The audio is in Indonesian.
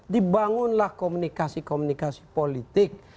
dibangunlah komunikasi komunikasi politik